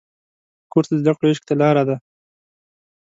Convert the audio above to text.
کورس د زده کړو عشق ته لاره ده.